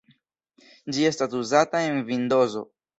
Ĝi estas uzata en Vindozo.